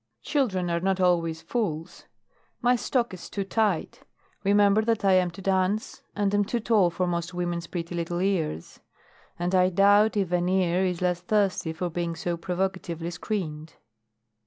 Children are not always fools. My stock is too tight. Remember that I am to dance, and am too tall for most women's pretty little ears. And I doubt if an ear is less thirsty for being so provocatively screened."